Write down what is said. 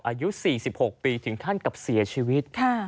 อายุ๔๖ปีถึงขั้นกับเสียชีวิต